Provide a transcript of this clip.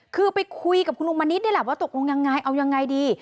คือไปคุยกับคุณลุงมณิษฐ์นี่แหละว่าตกลงยังไงเอายังไงดี